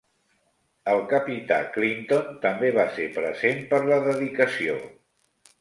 El capità Clinton també va ser present per la dedicació.